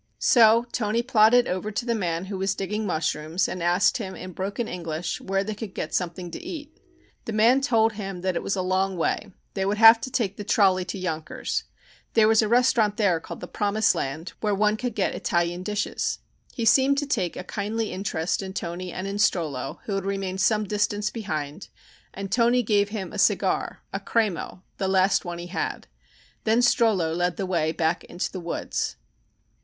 So Toni plodded over to the man who was digging mushrooms and asked him in broken English where they could get something to eat. The man told him that it was a long way. They would have to take the trolley to Yonkers. There was a restaurant there called the "Promised Land," where one could get Italian dishes. He seemed to take a kindly interest in Toni and in Strollo, who had remained some distance behind, and Toni gave him a cigar a "Cremo" the last one he had. Then Strollo led the way back into the woods.